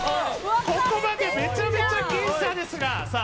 ここまでめちゃめちゃ僅差ですがさあ